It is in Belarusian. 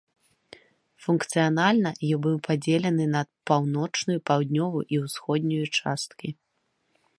Функцыянальна ён быў падзелены на паўночную, паўднёвую і ўсходнюю часткі.